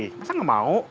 masa gak mau